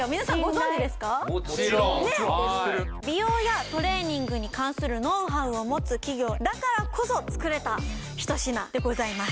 知ってる知ってる美容やトレーニングに関するノウハウを持つ企業だからこそ作れた一品でございます